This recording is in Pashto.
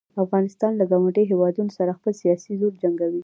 افغانستان له ګاونډیو هیوادونو سره خپل سیاسي زور جنګوي.